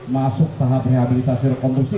masuk tahap rehabilitasi rekondusi